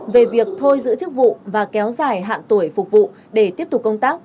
về việc thôi giữ chức vụ và kéo dài hạn tuổi phục vụ để tiếp tục công tác